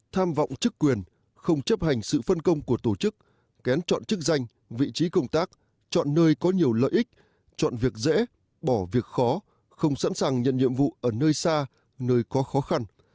tham vọng chức quyền không chấp hành sự phân công của tổ chức kén chọn chức danh vị trí công tác chọn nơi có nhiều lợi ích chọn việc dễ bỏ việc khó không sẵn sàng nhận nhiệm vụ ở nơi xa nơi có khó khăn